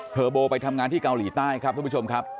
โบไปทำงานที่เกาหลีใต้ครับท่านผู้ชมครับ